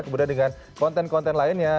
kemudian dengan konten konten lainnya